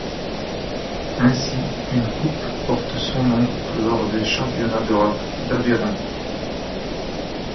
Ainsi, une coupe porte son nom lors des Championnats d'Europe d'aviron.